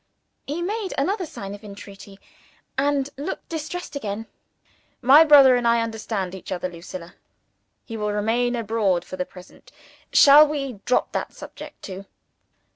He made another sign of entreaty, and looked distressed again. "My brother and I understand each other, Lucilla. He will remain abroad for the present. Shall we drop that subject, too?